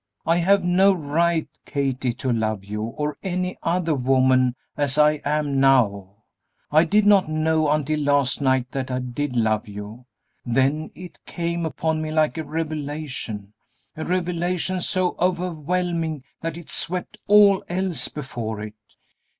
I have no right, Kathie, to love you, or any other woman, as I am now. I did not know until last night that I did love you. Then it came upon me like a revelation, a revelation so overwhelming that it swept all else before it.